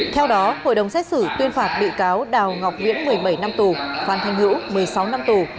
theo đó hội đồng xét xử tuyên phạt bị cáo đào ngọc viễn một mươi bảy năm tù phan thanh hữu một mươi sáu năm tù